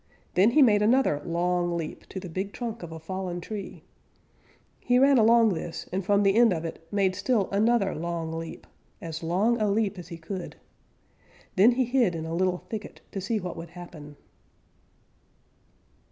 Then he made another long leap to the big trunk of a fallen tree. He ran along this and from the end of it made still another long leap, as long a leap as he could. Then he hid in a little thicket to see what would happen.